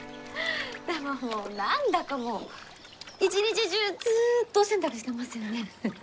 何だかもう一日中ずっとお洗濯してますよね？